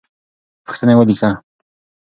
پوښتنې ولیکه.